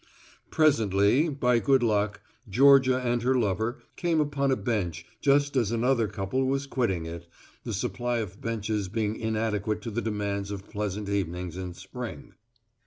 Presently, by good luck, Georgia and her lover came upon a bench just as another couple was quitting it the supply of benches being inadequate to the demands of pleasant evenings in spring.